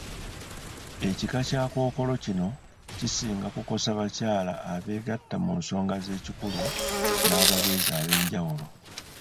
Ekika Kya kkookolo kino kisinga kukosa bakyala abeegatta mu nsonga z'ekikulu n'ababeezi ab'enjawulo.